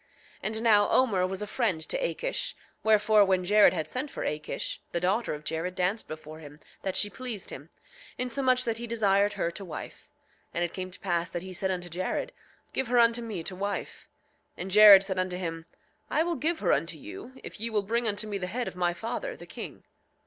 8:11 And now Omer was a friend to Akish; wherefore, when Jared had sent for Akish, the daughter of Jared danced before him that she pleased him, insomuch that he desired her to wife. And it came to pass that he said unto Jared: Give her unto me to wife. 8:12 And Jared said unto him: I will give her unto you, if ye will bring unto me the head of my father, the king.